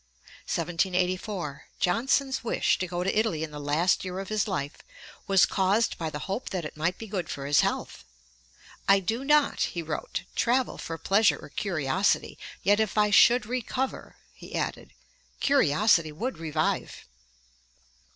Ante, iii. 441. 1784. Johnson's wish to go to Italy in the last year of his life was caused by the hope that it might be good for his health. 'I do not,' he wrote, 'travel for pleasure or curiosity; yet if I should recover,' he added, 'curiosity would revive.'